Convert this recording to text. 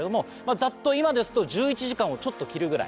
ざっと今ですと１１時間をちょっと切るぐらい。